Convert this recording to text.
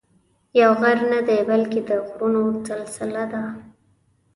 یو غر نه دی بلکې د غرونو سلسله ده.